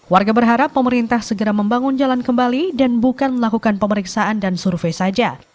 warga berharap pemerintah segera membangun jalan kembali dan bukan melakukan pemeriksaan dan survei saja